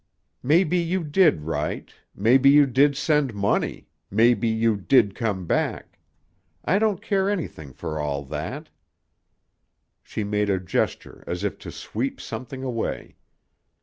"Maybe you did write, maybe you did send money, maybe you did come back I don't care anything for all that." She made a gesture as if to sweep something away.